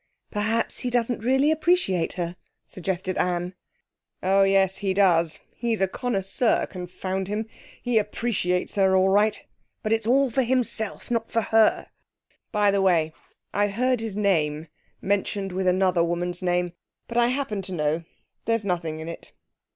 'Perhaps he doesn't really appreciate her,' suggested Anne. 'Oh, yes, he does. He's a connoisseur confound him! He appreciates her all right. But it's all for himself not for her. By the way, I've heard his name mentioned with another woman's name. But I happen to know there's nothing in it.'